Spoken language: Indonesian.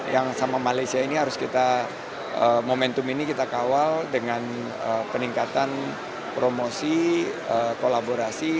yang sama malaysia ini harus kita momentum ini kita kawal dengan peningkatan promosi kolaborasi